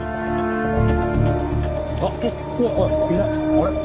あれ？